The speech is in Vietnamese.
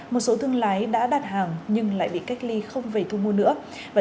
một số thương lái đã đặt hàng nhưng lại bị cách ly không về thu mua nữa